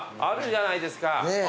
あるじゃないですか。